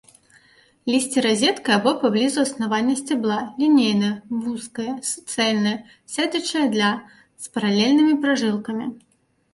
Лісце разеткай або паблізу аснавання сцябла, лінейнае, вузкае, суцэльнае, сядзячае для, з паралельнымі пражылкамі.